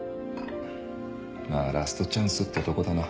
まあラストチャンスってとこだな。